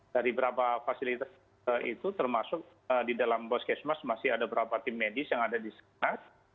dari berapa fasilitas itu termasuk di dalam pos kesmas masih ada beberapa tim medis yang ada di sekolah